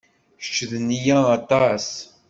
Kecc d nniya aṭas.